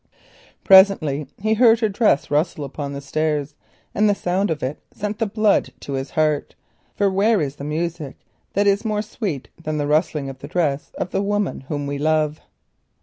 Presently he heard her dress rustle upon the stairs, and the sound of it sent the blood to his heart, for where is the music that is more sweet than the rustling of the dress of the woman whom we love?